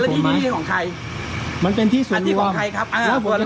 น้องก็ไม่มาเรียกที่